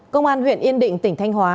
công an huyện yên định tỉnh thanh hóa